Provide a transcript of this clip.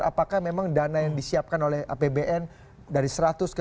apakah memang dana yang disiapkan oleh apbn dari seratus ke seribu itu apa